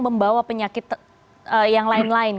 membawa penyakit yang lain lain